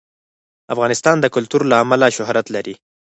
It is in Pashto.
افغانستان د کلتور له امله شهرت لري.